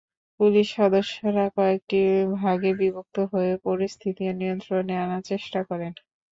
Police সদস্যরা কয়েকটি ভাগে বিভক্ত হয়ে পরিস্থিতি নিয়ন্ত্রণে আনার চেষ্টা করেন।